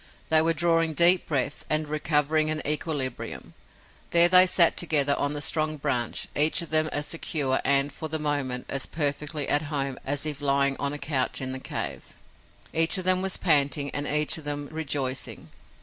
They were drawing deep breaths and recovering an equilibrium. There they sat together on the strong branch, each of them as secure and, for the moment, as perfectly at home as if lying on a couch in the cave. Each of them was panting and each of them rejoicing.